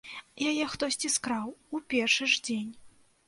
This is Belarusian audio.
Яе хтосьці скраў у першы ж дзень.